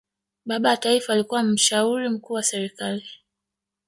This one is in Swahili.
baba wa taifa alikuwa mshauri mkuu wa serikali